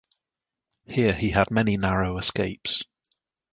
Here he had many narrow escapes.